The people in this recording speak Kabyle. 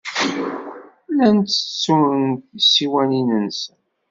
Llan ttettun tisiwanin-nsen.